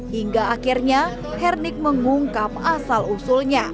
hingga akhirnya hernik mengungkap asal usulnya